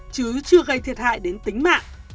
chứ chưa gây thiệt hại đến tính mạng